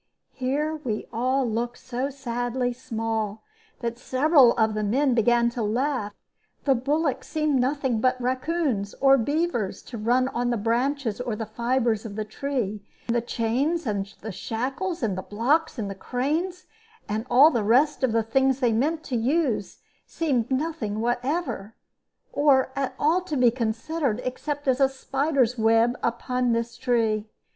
Here we all looked so sadly small that several of the men began to laugh; the bullocks seemed nothing but raccoons or beavers to run on the branches or the fibres of the tree; and the chains and the shackles, and the blocks and cranes, and all the rest of the things they meant to use, seemed nothing whatever, or at all to be considered, except as a spider's web upon this tree.